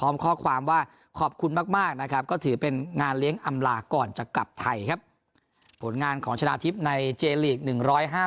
อำราก่อนจะกลับไทยครับผลงานของชนะทิศในเจนลีกหนึ่งร้อยห้า